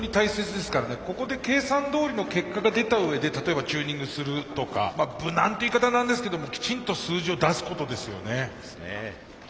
ここで計算どおりの結果が出たうえで例えばチューニングするとかまあ無難って言い方はなんですけどもきちんと数字を出すことですよね。